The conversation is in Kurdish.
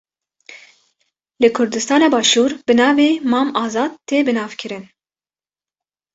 Li Kurdistana başûr bi navê Mam Azad tê bi nav kirin.